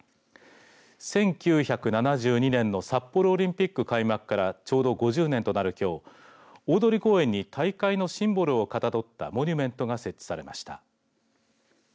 １９７２年の札幌オリンピック開幕からちょうど５０年となるきょう大通公園に大会のシンボルをかたどったモニュメントが設置されました。